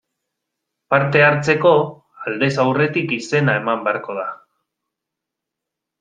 Parte hartzeko, aldez aurretik izena eman beharko da.